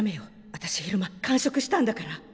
あたし昼間間食したんだから。